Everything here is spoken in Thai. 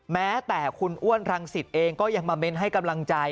แม้แต่คุณอ้วนรังสิตเองก็ยังมาเน้นให้กำลังใจ